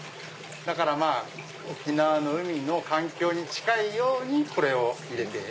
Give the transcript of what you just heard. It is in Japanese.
だから沖縄の海の環境に近いようにこれを入れて。